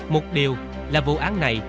một điều là vụ án này